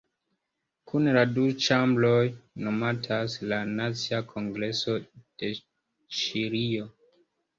Kune la du ĉambroj nomatas la "Nacia Kongreso de Ĉilio".